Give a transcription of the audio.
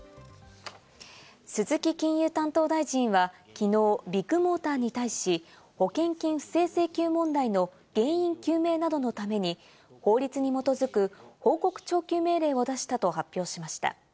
鈴木金融担当大臣はきのう、ビッグモーターに対し、保険金不正請求問題の原因究明などのために法律に基づく報告徴求命令を出したと発表しました。